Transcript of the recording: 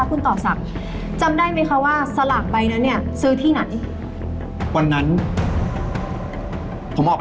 สนุกสนุกสนุกสนุกสนุกสนุก